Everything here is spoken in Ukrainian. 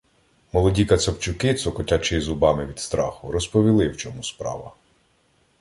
Молоді кацапчуки, цокотячи зубами від страху, розповіли, в чому справа.